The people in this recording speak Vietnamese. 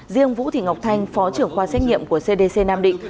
riêng vũ thị ngọc thanh phó trưởng khoa xét nghiệm của cdc nam định